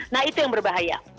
nah itu yang berbahaya